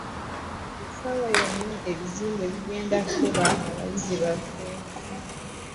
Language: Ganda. Ssaawa yonna ebizimbe bigenda kukuba abayizi baffe.